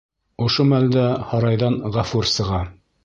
Ошо мәлдә һарайҙан Ғәфүр сыға.